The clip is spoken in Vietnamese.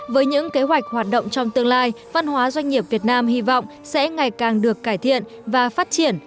với những kế hoạch hoạt động trong tương lai văn hóa doanh nghiệp việt nam hy vọng sẽ ngày càng được cải thiện và phát triển